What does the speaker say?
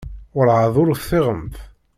Werɛad ur teffiɣemt?